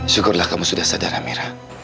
syukurlah kamu sudah sadar amera